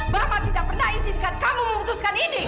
mama tidak pernah izinkan kamu memutuskan indi